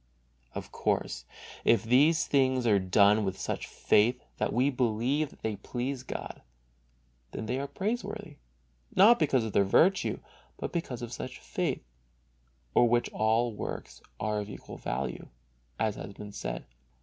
Of course, if these things are done with such faith that we believe that they please God, then they are praiseworthy, not because of their virtue, but because of such faith, for which all works are of equal value, as has been said.